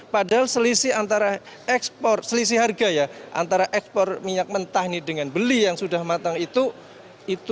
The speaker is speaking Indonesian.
padahal selisih antara ekspor selisih harga ya antara ekspor minyak mentah yang tadi liftingnya belum memenuhi target diekspor kemudian diolah di luar dan kemudian diimpor gitu